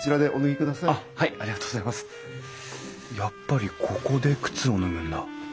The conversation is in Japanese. やっぱりここで靴を脱ぐんだ。